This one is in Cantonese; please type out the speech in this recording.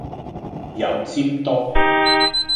油占多